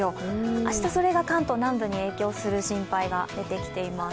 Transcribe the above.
明日、それが関東南部に影響するおそれが出てきています。